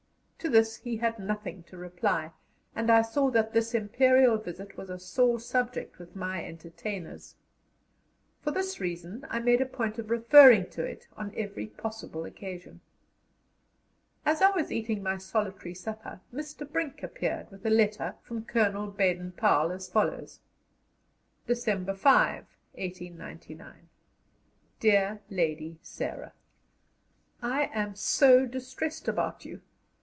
To this he had nothing to reply, and I saw that this imperial visit was a sore subject with my entertainers. For this reason I made a point of referring to it on every possible occasion. As I was eating my solitary supper, Mr. Brink appeared with a letter from Colonel Baden Powell as follows: "December 5, 1899. "DEAR LADY SARAH, "I am so distressed about you.